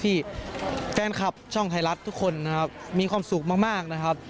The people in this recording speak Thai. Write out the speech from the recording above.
ที่แฟนคลับช่องไทยรัฐทุกคนนะครับมีความสุขมากนะครับ